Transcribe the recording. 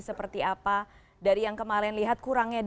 seperti apa dari yang kemarin lihat kurangnya